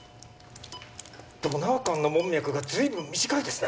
ドナー肝の門脈が随分短いですね。